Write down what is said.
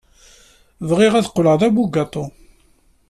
Bɣiɣ ad qqleɣ d abugaṭu.